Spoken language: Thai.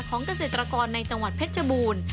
เกษตรกรในจังหวัดเพชรบูรณ์